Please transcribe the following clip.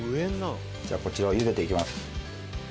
じゃあこちらを茹でていきます。